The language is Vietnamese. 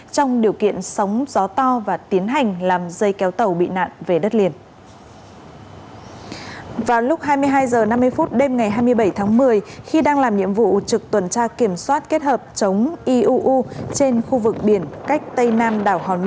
trong điều kiện sống và di chuyển tàu cá mang số hiệu na chín mươi nghìn hai trăm một mươi sáu ts